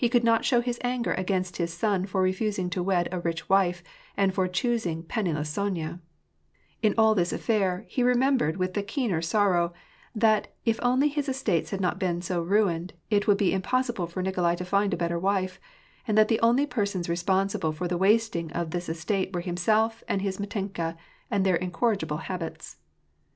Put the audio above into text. could not show his anger against his son for refosing to wed a rich wife, and for choosing the penniless Sonya ; in all this ^i^air, he remembered with the keener sorrow that if only his estibctes had not been so ruined, it would be impossible for NikoltK i to find a better wife ; and that the only persons re sponsible >sf or the wasting of this estate were himself and his Mitenka, and'Kheir incorrigible habits.